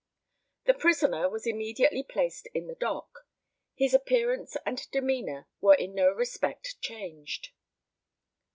The prisoner was immediately placed in the dock. His appearance and demeanour were in no respect changed.